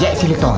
jack cilik tonga